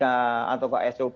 kpk atau sop